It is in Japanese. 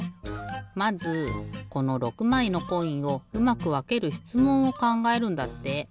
まずこの６まいのコインをうまくわけるしつもんをかんがえるんだって。